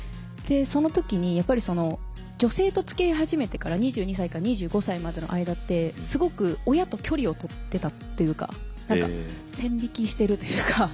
その時にやっぱり女性とつきあい始めてから２２歳から２５歳までの間ってすごく親と距離を取ってたっていうか何か線引きしてるというか。